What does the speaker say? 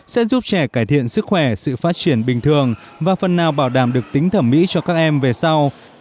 sẽ giúp trẻ cải thiện sức khỏe sự phát triển bình thường và phần nào bảo đảm được tính thẩm mỹ cho các em về sau